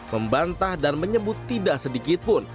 membantah dan menyebut tidak sedikitpun